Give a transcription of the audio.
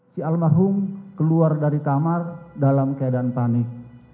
si almarhum keluar dari kamar dalam keadaan panik